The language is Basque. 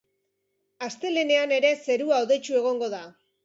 Astelehenean ere zerua hodeitsu egongo da.